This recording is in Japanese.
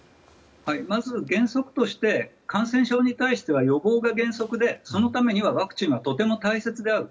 まず、原則として感染症に対しては予防が原則でそのためにはワクチンがとても大切である。